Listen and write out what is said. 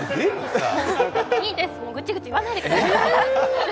いいです、もう、ぐちぐち言わないでください。